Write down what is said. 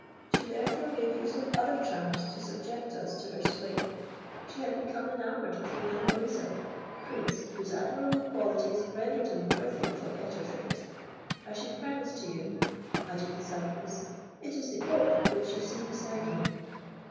She therefore made use of other charms to subject us to her sway. She had become enamoured of the young Oriza, a prince, whose admirable qualities rendered him worthy of a better fate. I should premise to you," added the cypress, "it is the oak which you see beside me."